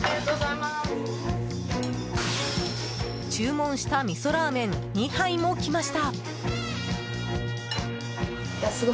注文したみそラーメン２杯も来ました。